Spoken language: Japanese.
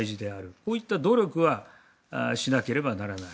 こういった努力はしなければならない。